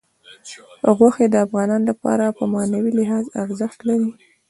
غوښې د افغانانو لپاره په معنوي لحاظ ارزښت لري.